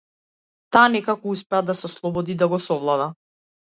Таа некако успева да се ослободи и да го совлада.